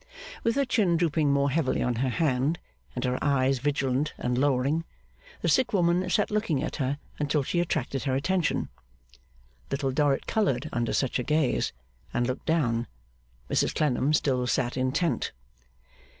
With her chin drooping more heavily on her hand, and her eyes vigilant and lowering, the sick woman sat looking at her until she attracted her attention. Little Dorrit coloured under such a gaze, and looked down. Mrs Clennam still sat intent.